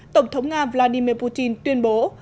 tổng thống nga vladimir putin tuyên bố